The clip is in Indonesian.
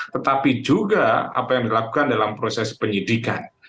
tetapi juga apa yang dilakukan dalam proses penyidikan